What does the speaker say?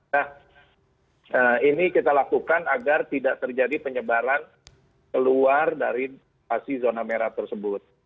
nah ini kita lakukan agar tidak terjadi penyebaran keluar dari zona merah tersebut